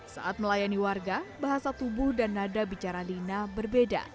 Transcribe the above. saat melayani warga bahasa tubuh dan nada bicara lina berbeda